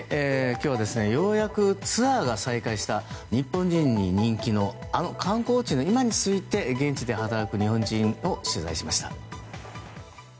今日はようやくツアーが再開した日本人に人気のあの観光地の今について現地で働く日本人を取材しました。